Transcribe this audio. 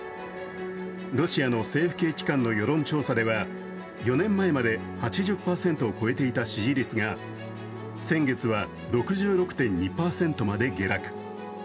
ロシアの政府系機関の世論調査では、４年前まで８０％を超えていた支持率が先月は６６．２％まで下落。